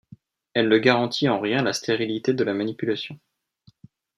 Elle ne garantit en rien la stérilité de la manipulation.